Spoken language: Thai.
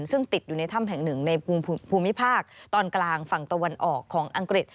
ซึ่งติดอยู่ในถ้ำแห่งหนึ่งในภูมิภาคตอนกลางฝั่งตะวันออกของอังกฤษ